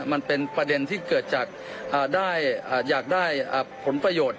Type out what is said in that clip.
มันเป็นประเด็นที่เกิดจากอยากได้ผลประโยชน์